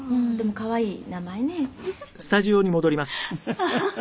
可愛い名前。